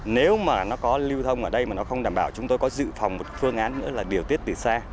nếu mà nó có lưu thông ở đây mà nó không đảm bảo chúng tôi có dự phòng một phương án nữa là điều tiết từ xa